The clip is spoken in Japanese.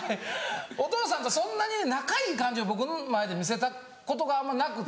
お父さんとそんなに仲いい感じを僕の前で見せたことがなくて。